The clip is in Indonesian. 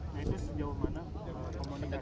nah itu sejauh mana komunikasi